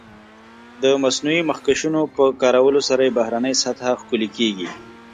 د مصنوعي مخکشونو په کارولو سره یې بهرنۍ سطح ښکلې کېږي.